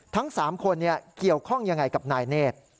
ทั้ง๓คนเกี่ยวข้องยังไงกับนายเนธ